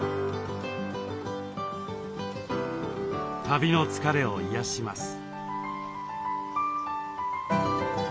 旅の疲れを癒やします。